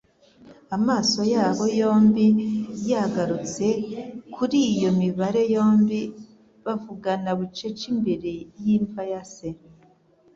Amaso yabo yombi yagarutse kuri iyo mibare yombi bavugana bucece imbere y'imva ya se.